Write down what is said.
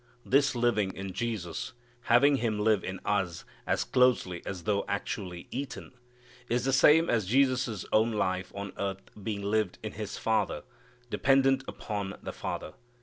This living in Jesus, having Him live in us as closely as though actually eaten, is the same as Jesus' own life on earth being lived in His Father, dependent upon the Father.